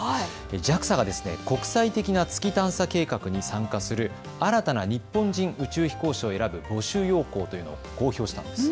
ＪＡＸＡが国際的な月探査計画に参加する新たな日本人宇宙飛行士を選ぶ募集要項というのを公表したんです。